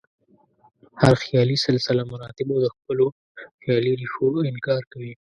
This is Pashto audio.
هر خیالي سلسله مراتبو د خپلو خیالي ریښو انکار کوي.